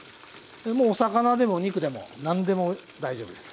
もうお魚でもお肉でも何でも大丈夫です。